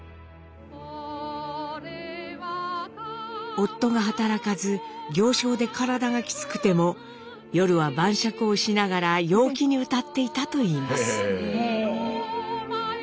夫が働かず行商で体がきつくても夜は晩酌をしながら陽気に歌っていたといいます。